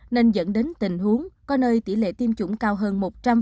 nên dẫn đến tình huống có nơi tỷ lệ tiêm chủng cao hơn một trăm linh